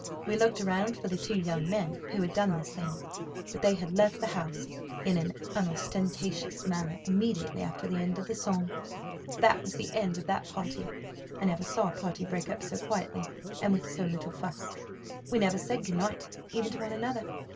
We looked around for the two young men who had done this thing, but they had left the house in an unostentatious manner immediately after the end of the song. That was the end of that party. I never saw a party break up so quietly, and with so little fuss. We never said good night even to one another.